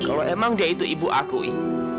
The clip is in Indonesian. kalau emang dia itu ibu aku wit